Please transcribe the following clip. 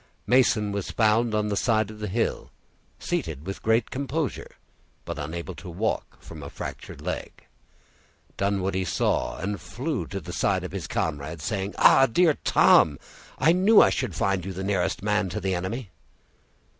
Mason was found on the side of the hill, seated with great composure, but unable to walk from a fractured leg. Dunwoodie saw and flew to the side of his comrade, saying,— "Ah! dear Tom, I knew I should find you the nearest man to the enemy."